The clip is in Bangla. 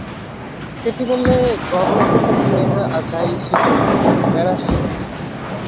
কেটি বললে, গবর্নেসের কাছে মেয়েটা আর যাই শিখুক, ম্যানার্স শেখে নি।